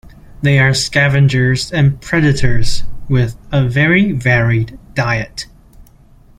They are scavengers and predators with a very varied diet.